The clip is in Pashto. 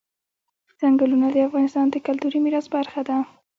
ځنګلونه د افغانستان د کلتوري میراث برخه ده.